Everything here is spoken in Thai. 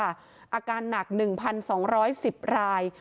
อาการหนัก๑๒๑๐ราย